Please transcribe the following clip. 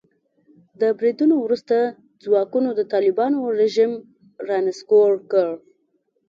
د بریدونو وروسته ځواکونو د طالبانو رژیم را نسکور کړ.